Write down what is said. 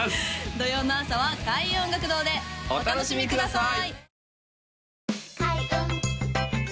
土曜の朝は開運音楽堂でお楽しみください！